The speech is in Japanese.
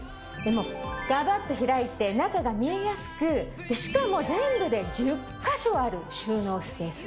ガバっと開いて中が見えやすくしかも全部で１０か所ある収納スペース。